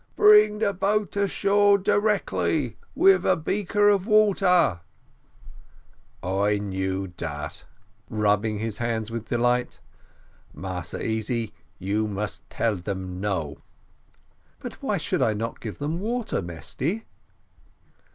"Bring the boat ashore directly, with a breaker of water." "I knew dat," cried Mesty, rubbing his hands with delight. "Massy Easy, you must tell them No." "But why should I not give them water, Mesty?"